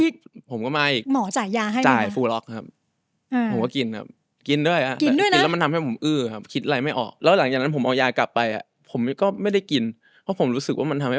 ก็นิ่งแล้วก็เสร็จแล้วอาทิตย์ต่อมา